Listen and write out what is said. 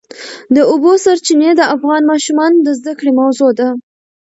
د اوبو سرچینې د افغان ماشومانو د زده کړې موضوع ده.